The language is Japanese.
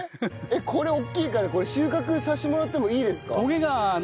これ大きいからこれ収穫させてもらってもいいですか？